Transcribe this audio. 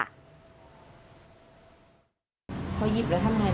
แล้วเราวิ่งหนีไหมวิ่งไม่ไหว